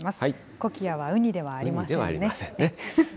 コキアはウニではありませんね。